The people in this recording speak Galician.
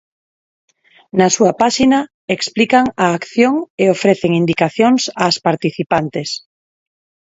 Na súa páxina explican a acción e ofrecen indicacións ás participantes.